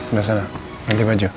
udah sana ganti baju